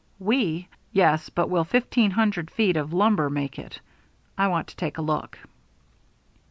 "We! Yes, but will fifteen hundred feet of lumber make it? I want to take a look."